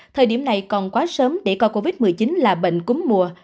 thời điểm này còn quá sớm để coi covid một mươi chín là bệnh cúm mùa